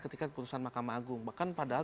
ketika putusan makam agung bahkan padahal